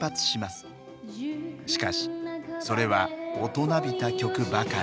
しかしそれは大人びた曲ばかり。